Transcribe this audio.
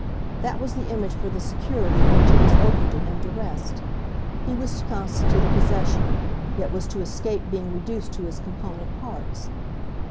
That was the image for the security in which it was open to him to rest; he was to constitute a possession, yet was to escape being reduced to his component parts.